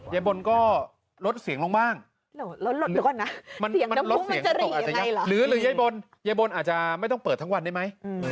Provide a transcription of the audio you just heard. ยายบนก็ลดเสียงลงบ้างหรือยายบนยายบนอาจจะไม่ต้องเปิดทั้งวันได้ไหม